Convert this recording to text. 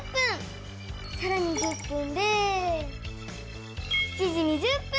さらに１０分で７時２０分！